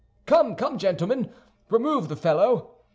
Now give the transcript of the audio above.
Come, come, gentlemen, remove the fellow."